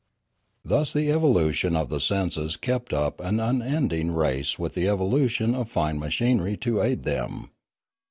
Thus the evolution of the senses kept up an unending race with the evolution of fine machinery to aid them.